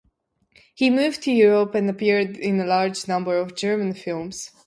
He moved to Europe and appeared in a large number of German films.